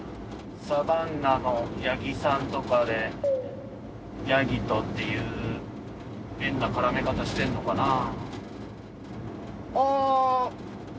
サバンナの八木さんとかでヤギとっていう変な絡め方してんのかなぁ。